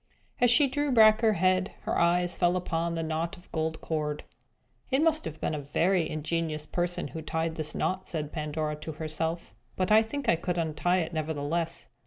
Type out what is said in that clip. As she drew back her head, her eyes fell upon the knot of gold cord. "It must have been a very ingenious person who tied this knot," said Pandora to herself. "But I think I could untie it nevertheless.